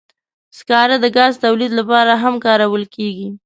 سکاره د ګاز تولید لپاره هم کارول کېږي.